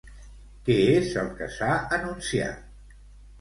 Què és el que s'ha anunciat?